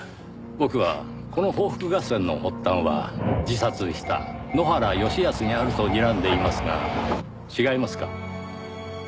僕はこの報復合戦の発端は自殺した埜原義恭にあるとにらんでいますが違いますか？